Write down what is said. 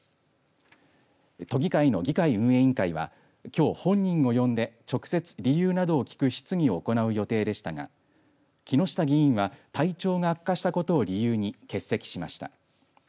都議会の議会運営委員会はきょう本人を呼んで直接、理由などを聞く質疑を行う予定でしたが木下議員は体調が悪化したことを理由に欠席しました。